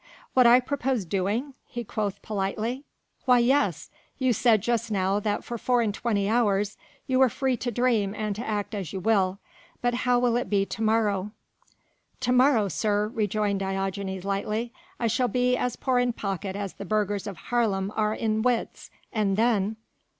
"What I propose doing?" he quoth politely. "Why yes. You said just now that for four and twenty hours you were free to dream and to act as you will, but how will it be to morrow?" "To morrow, sir," rejoined Diogenes lightly, "I shall be as poor in pocket as the burghers of Haarlem are in wits, and then...."